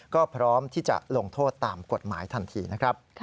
ก็พร้อมที่จะลงโทษตามกฎหมายทันทีนะครับ